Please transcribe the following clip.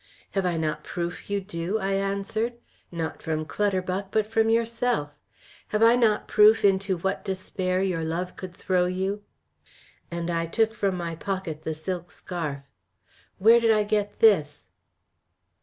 "Have I not proof you do?" I answered. "Not from Clutterbuck, but from yourself. Have I not proof into what despair your love could throw you?" And I took from my pocket the silk scarf. "Where did I get this?"